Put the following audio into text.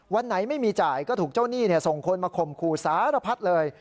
วันไหนไม่มีจ่ายก็ถูกเจ้าหนี้ส่งคนมาข่มขู่สารพัดเลย